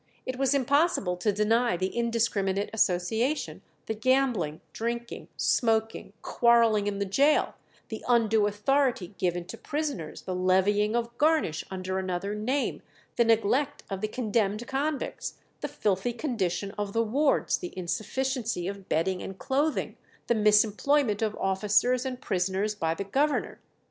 It was impossible to deny the indiscriminate association; the gambling, drinking, smoking, quarrelling in the gaol; the undue authority given to prisoners, the levying of garnish under another name, the neglect of the condemned convicts, the filthy condition of the wards, the insufficiency of bedding and clothing, the misemployment of officers and prisoners by the governor.